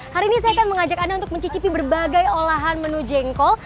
hari ini saya akan mengajak anda untuk mencicipi berbagai olahan menu jengkol